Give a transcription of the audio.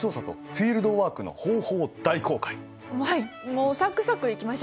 もうサクサクいきましょう。